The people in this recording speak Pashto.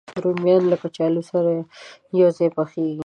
رومیان له کچالو سره یو ځای پخېږي